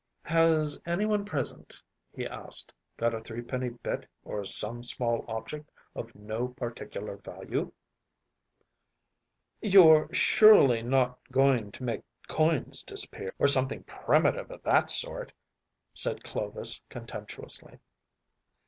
“Has anyone present,‚ÄĚ he asked, “got a three penny bit or some small object of no particular value‚ÄĒ?‚ÄĚ “You’re surely not going to make coins disappear, or something primitive of that sort?‚ÄĚ said Clovis contemptuously.